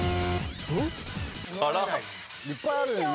いっぱいあるのにね。